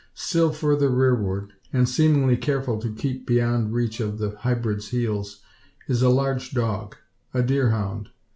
Still further rearward, and seemingly careful to keep beyond reach of the hybrid's heels, is a large dog a deer hound.